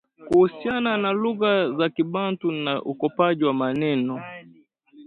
kuhusiana na lugha za Kibantu na ukopaji wa maneno